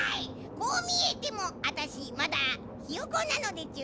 こうみえてもあたしまだひよこなのでちゅ。